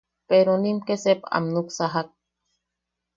Peronim ke sep am nuksajak.